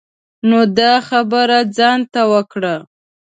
نو دا خبری ځان ته وکړه.